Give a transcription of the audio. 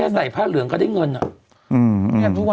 ใส่ผ้าเหลืองก็ได้เงินอะ